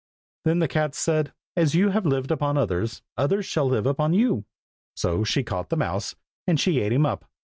Then the cat said, "As you have lived upon others, others shall live upon you!" So she caught the mouse, and she ate him up.